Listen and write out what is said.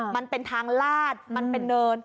มันเป็นทางลาดมันเป็นเนิน